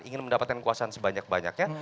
ingin mendapatkan kuasaan sebanyak banyaknya